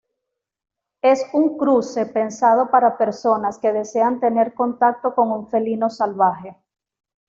Es un cruce pensado para personas que desean tener contacto con un felino salvaje.